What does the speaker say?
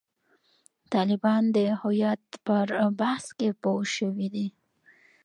طالبان د هویت پر بحث کې پوه شوي دي.